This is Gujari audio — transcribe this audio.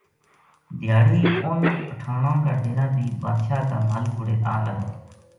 خدا کی شان دیکھوں جی ایک دھیاڑی اُنھ پٹھاناں کا ڈیرا بی بادشاہ کا محل کوڑے آلگا